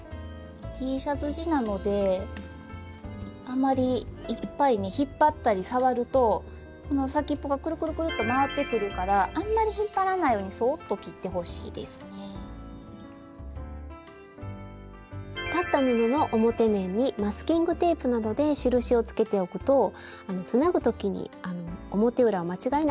Ｔシャツ地なのであまりいっぱいに引っ張ったり触るとこの先っぽがくるくるくるっと回ってくるからスタジオ裁った布の表面にマスキングテープなどで印をつけておくとつなぐ時に表裏を間違えなくていいですよ。